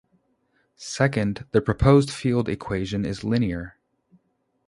Second, the proposed field equation is linear.